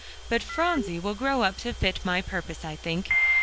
"But Phronsie will grow up to fit my purpose, I think.